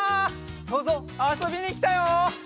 そうぞうあそびにきたよ！